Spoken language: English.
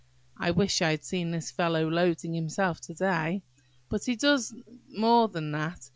I wish I had seen this fellow loading himself to day. But he does more than that.